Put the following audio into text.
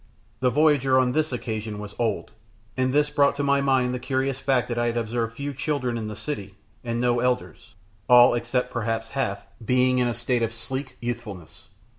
The voyager on this occasion was old, and this brought to my mind the curious fact that I had observed few children in the city, and no elders, all, except perhaps Hath, being in a state of sleek youthfulness.